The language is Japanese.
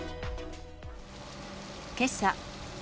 けさ。